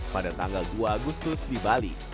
pada tanggal dua agustus di bali